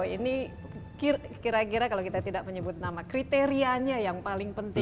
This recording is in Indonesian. ini kira kira kalau kita tidak menyebut nama kriterianya yang paling penting